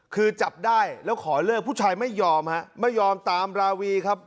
คือจับได้แล้วขอเลิกผู้ชายไม่ยอมฮะไม่ยอมตามราวีครับ